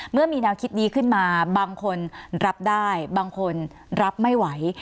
เมื่อมีแนวคิดนี้ขึ้นมาบางคนรับได้บางคนรับไม่ไหว